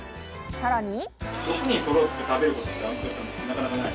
さらに。